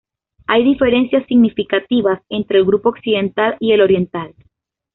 Hay diferencias significativas entre el grupo occidental y el oriental.